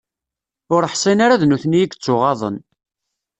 Ur ḥsin ara d nutni i yettuɣaḍen.